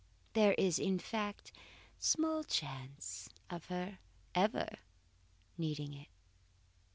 There is, in fact, small chance of her ever needing it."